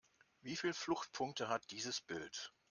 Wie viele Fluchtpunkte hat dieses Bild?